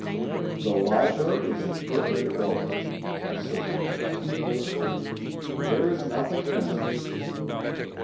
"The library is in perfect order," asserted Madame d'Esparvieu. "There is nothing missing."